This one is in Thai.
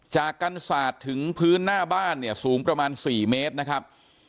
จากกันศาสตร์ถึงพื้นหน้าบ้านเนี่ยสูงประมาณ๔เมตรนะครับ